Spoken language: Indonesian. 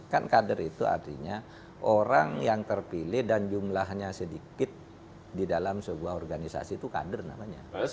kan kader itu artinya orang yang terpilih dan jumlahnya sedikit di dalam sebuah organisasi itu kader namanya